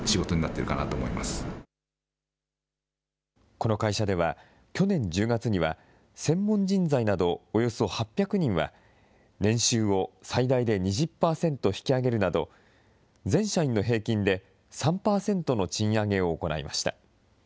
この会社では、去年１０月には、専門人材などおよそ８００人は、年収を最大で２０％引き上げるなど、全社員の平均で３％の賃上げを行いました。